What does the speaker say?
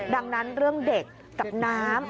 ดังนั้นเรื่องเด็กกับน้ำ